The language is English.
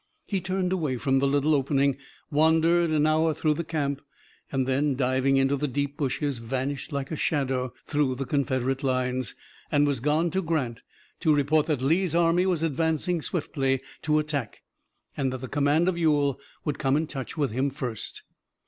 He turned away from the little opening, wandered an hour through the camp and then, diving into the deep bushes, vanished like a shadow through the Confederate lines, and was gone to Grant to report that Lee's army was advancing swiftly to attack, and that the command of Ewell would come in touch with him first.